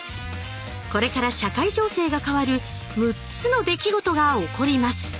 これから社会情勢が変わる６つの出来事が起こります。